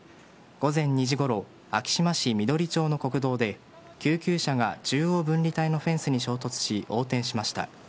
午前２時ごろ昭島市緑町の国道で救急車が中央分離帯のフェンスに衝突し横転しました。